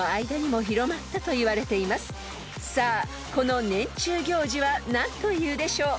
［さあこの年中行事は何というでしょう？］